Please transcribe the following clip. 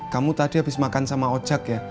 kamu tadi habis makan sama ojek ya